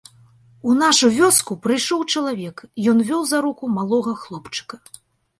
У нашу вёску прыйшоў чалавек, ён вёў за руку малога хлопчыка.